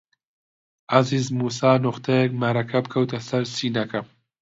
عەزیز مووسا نوختەیەک مەرەکەب کەوتە سەر سینەکە